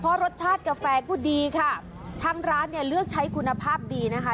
เพราะรสชาติกาแฟก็ดีค่ะทางร้านเนี่ยเลือกใช้คุณภาพดีนะคะ